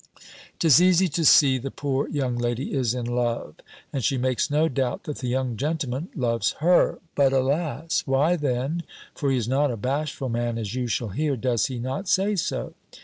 'Tis easy to see the poor young lady is in love; and she makes no doubt that the young gentleman loves her; but, alas! why then (for he is not a bashful man, as you shall hear) does he not say so?